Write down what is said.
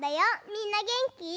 みんなげんき？